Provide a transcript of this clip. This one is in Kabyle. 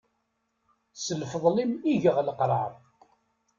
S lfeḍl-im i geɣ leqrar.